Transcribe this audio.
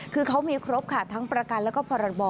คือเขามีครบค่ะทั้งประกันแล้วก็พรบ